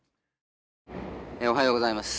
おはようございます。